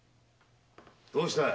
どうしたい？